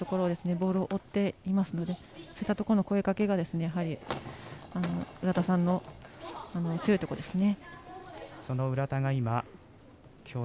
ボールを追っていますのでそういったところの声かけが浦田さんの強いところですね。